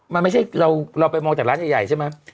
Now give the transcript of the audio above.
มันไม่ใช่เราไปมาแต่ร้านใหญ่ใช่มั้ย